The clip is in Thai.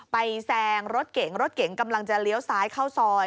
แซงรถเก่งรถเก๋งกำลังจะเลี้ยวซ้ายเข้าซอย